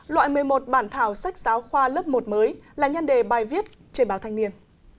loại một mươi một bản thảo sách giáo khoa lớp một mới là nhân đề bài viết trên báo thanh niên